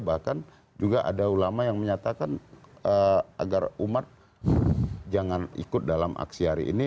bahkan juga ada ulama yang menyatakan agar umat jangan ikut dalam aksi hari ini